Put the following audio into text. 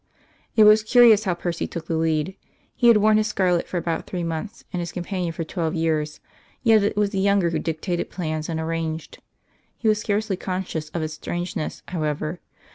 It was curious how Percy took the lead. He had worn his scarlet for about three months, and his companion for twelve years; yet it was the younger who dictated plans and arranged. He was scarcely conscious of its strangeness, however.